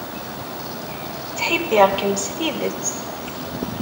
Ttḥibbiɣ-kem s tidet.